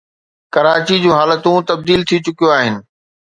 ڪراچي جون حالتون تبديل ٿي چڪيون آهن